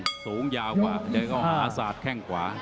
ดูเบลงด้วยตรงหรูยาวกว่าแดงเข้าหาสาดแข้งกว่า